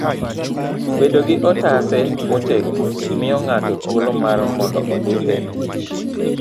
bedo gi otase motegno miyo ng'ato thuolo mar mondo ondike tich.